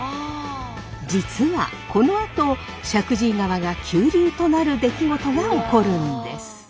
実はこのあと石神井川が急流となる出来事が起こるんです。